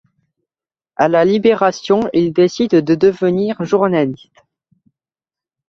À la Libération, il décide de devenir journaliste.